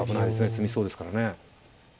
詰みそうですからね。